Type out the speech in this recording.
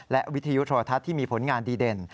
และวิทยุโทรทัศน์ที่มีผลงานดีเด่น